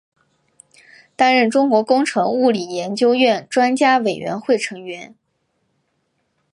担任中国工程物理研究院专家委员会成员。